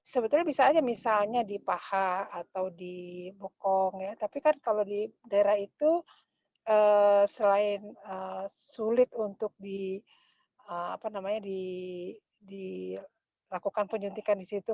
sebetulnya bisa aja misalnya di paha atau di bokong ya tapi kan kalau di daerah itu selain sulit untuk dilakukan penyuntikan di situ